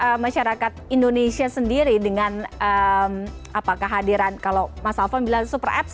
bagaimana masyarakat indonesia sendiri dengan kehadiran kalau mas alfon bilang super apps